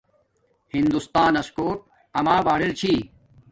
ہندوستانس کوٹ اما باڈر چھی